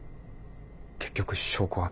結局証拠は。